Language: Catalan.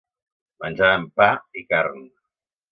Menjaven pa i carn.